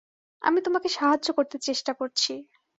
আমি তোমাকে সাহায্য করতে চেষ্টা করছি।